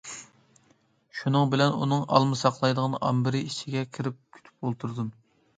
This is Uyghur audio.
شۇنىڭ بىلەن ئۇنىڭ ئالما ساقلايدىغان ئامبىرى ئىچىگە كىرىپ كۈتۈپ ئولتۇردۇم.